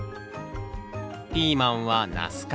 ピーマンはナス科。